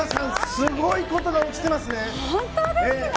すごいことが起きてますね。